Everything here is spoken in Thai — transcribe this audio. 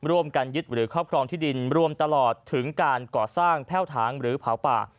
ร่วมกันยึดหรือครอบครองที่ดินรวมตลอดถึงการก่อสร้างแพ่วถางหรือเผาป่า